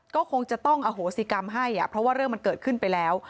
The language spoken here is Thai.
ก็คงจะต้องอโหสิกรรมให้เพราะว่าเรื่องมันเกิดขึ้นไปแล้ว